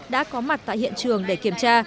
đã có mặt tại hiện trường để kiểm tra